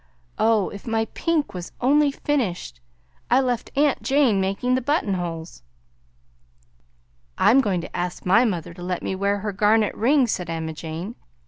"Oh! if my pink was only finished! I left aunt Jane making the buttonholes!" "I'm going to ask my mother to let me wear her garnet ring," said Emma Jane.